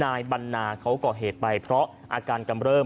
นายบรรณาเขาก่อเหตุไปเพราะอาการกำเริบ